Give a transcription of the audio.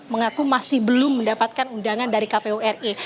mengaku masih belum mendapatkan undangan dari kpu ri